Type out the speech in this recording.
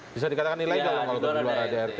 bisa dikatakan ilegal dong kalau diluar adrt